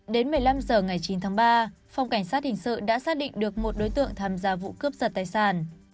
đến một mươi năm h ngày chín tháng ba phòng cảnh sát hình sự đã xác định được một đối tượng tham gia vụ cướp giật tài sản